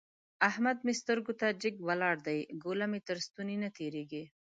احمد مې سترګو ته جګ ولاړ دی؛ ګوله مې تر ستوني نه تېرېږي.